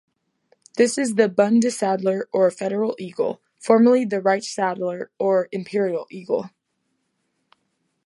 This is the Bundesadler or "Federal Eagle", formerly the "Reichsadler" or "Imperial Eagle".